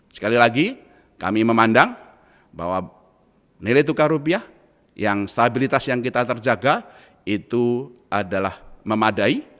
sekali lagi kami memandang bahwa nilai tukar rupiah yang stabilitas yang kita terjaga itu adalah memadai